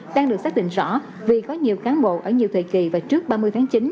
đang được xác định rõ vì có nhiều cán bộ ở nhiều thời kỳ và trước ba mươi tháng chín